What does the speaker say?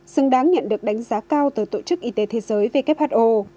xứng đáng nhận được đánh giá cao từ tổ chức y tế thế giới who